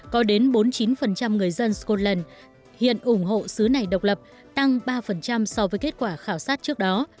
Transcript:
có đến bốn mươi chín người dân scotland hiện ủng hộ xứ này độc lập tăng ba so với kết quả khảo sát trước đó